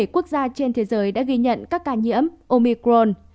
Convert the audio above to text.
bảy mươi bảy quốc gia trên thế giới đã ghi nhận các ca nhiễm omicron